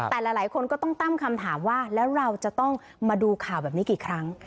แต่หลายคนก็ต้องตั้งคำถามว่าแล้วเราจะต้องมาดูข่าวแบบนี้กี่ครั้ง